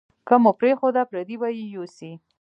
که مو پرېښوده، پردي به یې یوسي.